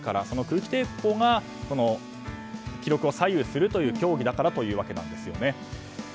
その空気抵抗が記録を左右する競技だからというわけです。